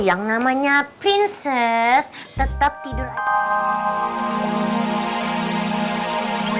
oh yang namanya prinses tetap tidur aja